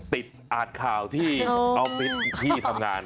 อ่านข่าวที่ออฟฟิศที่ทำงาน